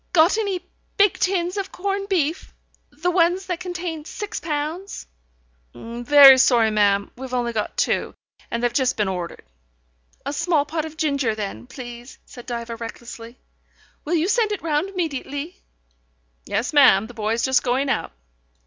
"Got any big tins of corned beef? The ones that contain six pounds." "Very sorry, ma'am. We've only got two, and they've just been ordered." "A small pot of ginger then, please," said Diva recklessly. "Will you send it round immediately?" "Yes, ma'am. The boy's just going out."